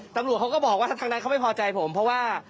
ตำรวจเขาก็บอกว่าทางนั้นเขาไม่พอใจผมเพราะว่า